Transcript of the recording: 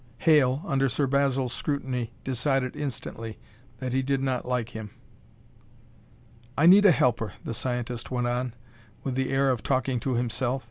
Hale, under Sir Basil's scrutiny, decided instantly that he did not like him. "I need a helper," the scientist went on, with the air of talking to himself.